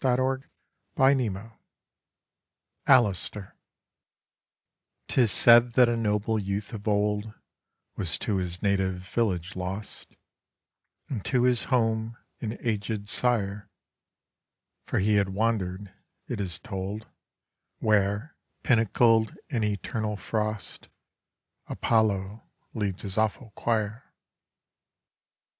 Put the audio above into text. ALASTOR 'Tis said that a noble youth of old Was to his native village lost, And to his home, and agèd sire; For he had wander'd (it is told) Where, pinnacled in eternal frost, Apollo leads his awful Choir.